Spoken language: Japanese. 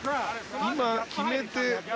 今、決めて。